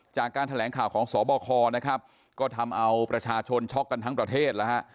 จากการแถลงข่าวของสบคนะครับก็ทำเอาประชาชนช็อกกันทั้งประเทศแล้วฮะ